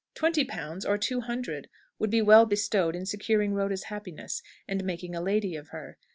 Twenty pounds, or two hundred, would be well bestowed in securing Rhoda's happiness, and making a lady of her.